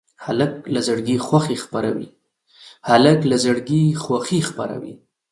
هلک له زړګي خوښي خپروي.